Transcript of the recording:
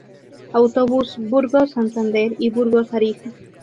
Autobús Burgos-Santander y Burgos-Arija.